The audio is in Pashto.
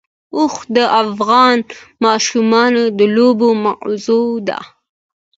اوښ د افغان ماشومانو د لوبو موضوع ده.